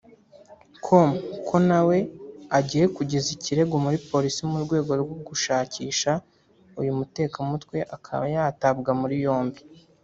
com ko nawe agiye kugeza ikirego muri Polisi mu rwego rwo gushakisha uyu mutekamutwe akaba yatabwa muri yombi